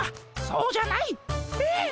そうじゃない！えっ？